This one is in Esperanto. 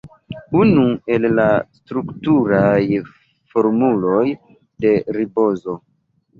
Unu el la strukturaj formuloj de ribozo.